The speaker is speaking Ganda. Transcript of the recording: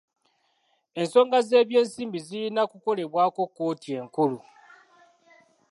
Ensonga z'ebyensimbi zirina kukolebwako kkooti enkulu.